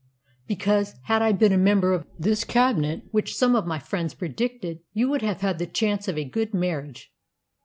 "Because, had I been a member of this Cabinet which some of my friends predicted you would have had the chance of a good marriage.